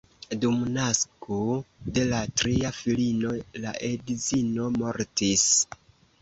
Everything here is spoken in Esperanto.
Dum nasko de la tria filino la edzino mortis.